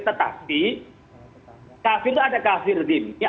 tetapi kafir itu ada kafir dim